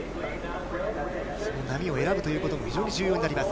その波を選ぶということも非常に重要になります。